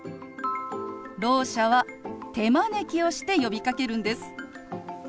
ろう者は手招きをして呼びかけるんです。